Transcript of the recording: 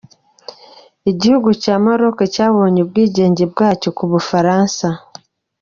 Igihugu cya Maroc cyabonye ubwigenge bwacyo ku bufaransa.